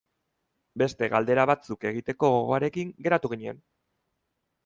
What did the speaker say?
Beste galdera batzuk egiteko gogoarekin geratu ginen.